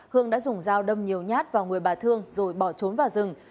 hương đã dùng dao đâm nhiều nhát vào người bà thương rồi bỏ trốn vào rừng